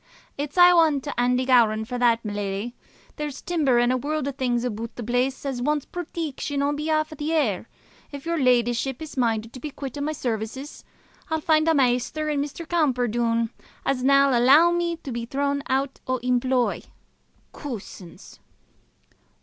"It's ae ane to Andy Gowran for that, my leddie. There's timber and a warld o' things aboot the place as wants proteection on behalf o' the heir. If your leddieship is minded to be quit o' my sarvices, I'll find a maister in Mr. Camperdoon, as'll nae alloo me to be thrown out o' employ. Coosins!"